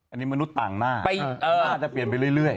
อันนี้มนุษย์ต่างหน้าน่าจะเปลี่ยนไปเรื่อย